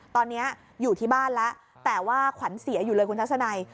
ตอนนี้อยู่ที่บ้านแล้วแต่ว่าขวัญเสียอยู่เลยคุณทัศนัย